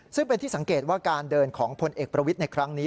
ซึ่งเป็นที่สังเกตว่าการเดินของพลเอกประวิทย์ในครั้งนี้